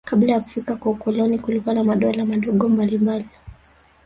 Kabla ya kufika kwa ukoloni kulikuwa na madola madogo mbalimbali